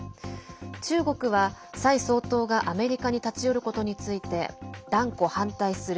中国は、蔡総統がアメリカに立ち寄ることについて断固反対する。